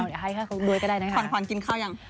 เอาให้เค้าด้วยก็ได้นะฮะภรคอนกินข้าวยัง